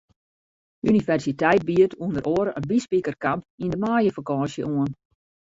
De universiteit biedt ûnder oare in byspikerkamp yn de maaiefakânsje oan.